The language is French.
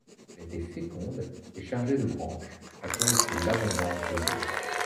Elle était féconde et chargée de branches, à cause de l'abondance des eaux.